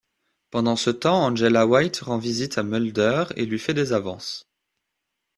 Pendant ce temps, Angela White rend visite à Mulder et lui fait des avances.